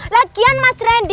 lagian mas rendi